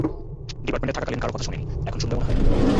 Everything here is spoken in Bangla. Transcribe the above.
ডিপার্টমেন্টে থাকাকালীন কারও কথা শোনেনি, এখন শুনবে মনে হয়?